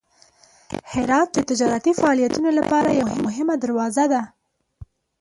هرات د تجارتي فعالیتونو لپاره یوه مهمه دروازه ده.